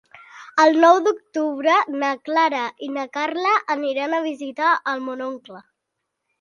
El nou d'octubre na Clara i na Carla aniran a visitar mon oncle.